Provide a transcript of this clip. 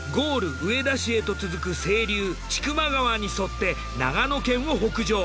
上田市へと続く清流千曲川に沿って長野県を北上。